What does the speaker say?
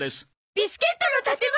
ビスケットの建物！？